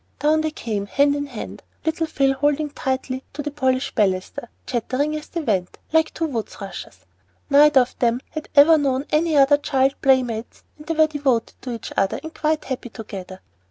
Down they came hand in hand, little Phil holding tightly to the polished baluster, chattering as they went, like two wood thrushes. Neither of them had ever known any other child playmates, and they were devoted to each other and quite happy together.